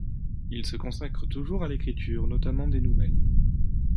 Il se consacre toujours à l'écriture, notamment des nouvelles.